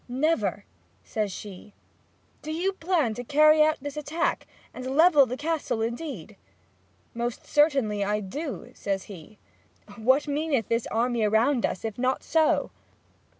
'Never!' says she. 'Do you plan to carry out this attack, and level the Castle indeed?' 'Most certainly I do,' says he. 'What meaneth this army around us if not so?'